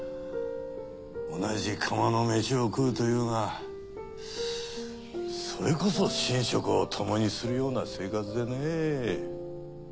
同じ釜の飯を食うというがそれこそ寝食をともにするような生活でね。